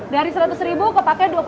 terima kasih ya pak